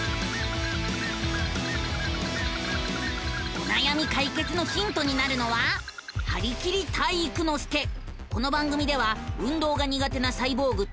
おなやみ解決のヒントになるのはこの番組では運動が苦手なサイボーグ体育ノ